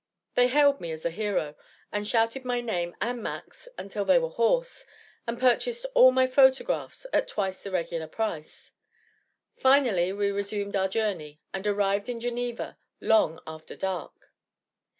They hailed me as a hero, and shouted my name and Mac's until they were hoarse, and purchased all my photographs at twice the regular price. Finally, we resumed our journey, and arrived in Geneva long after dark.